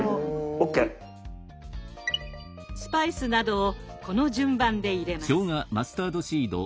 スパイスなどをこの順番で入れます。